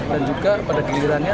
dan juga pada gilirannya